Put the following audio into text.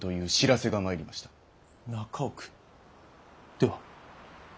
では！